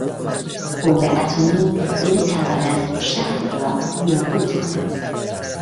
بمب اتمی میتواند شهری را نابود کند.